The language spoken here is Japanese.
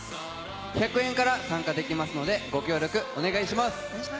１００円から参加できますので、ご協力お願いします。